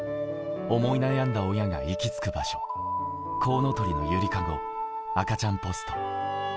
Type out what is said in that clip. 思い悩んだ親が行き着く場所、こうのとりのゆりかご・赤ちゃんポスト。